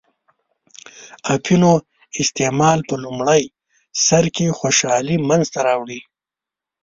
اپینو استعمال په لومړی سر کې خوشحالي منځته راوړي.